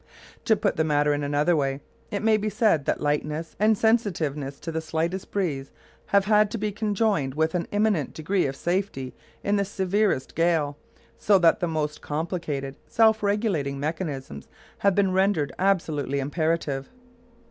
To put the matter in another way, it may be said that lightness, and sensitiveness to the slightest breeze, have had to be conjoined with an eminent degree of safety in the severest gale, so that the most complicated self regulating mechanisms have been rendered absolutely imperative.